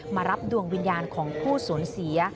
มารับดวงวิญญาณของผู้สูญเสีย